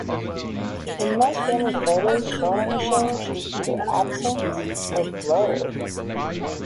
In most family photos shown on the show, she is either absent or blurred.